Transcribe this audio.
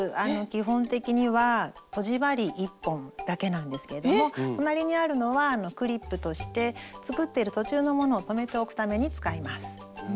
基本的にはとじ針１本だけなんですけれども隣にあるのはクリップとして作ってる途中のものを留めておくために使います。